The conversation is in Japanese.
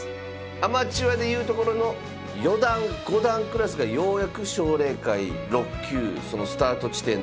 アマチュアで言うところの四段五段クラスがようやく奨励会６級そのスタート地点に立てるか立てないかぐらいです。